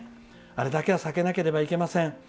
あれだけは避けなければいけません。